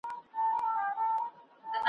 څو ساعته به په غار کي پټ وو غلی `